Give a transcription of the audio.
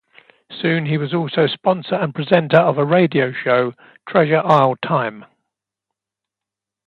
Soon he was also sponsor and presenter of a radio show, Treasure Isle Time.